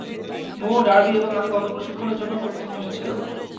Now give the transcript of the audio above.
মো, Derby এবং আমি গত প্রশিক্ষণের জন্য প্রথমে এসেছিলাম।